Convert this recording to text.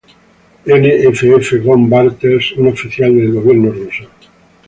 N. F. F. von Bartels, un oficial del gobierno ruso.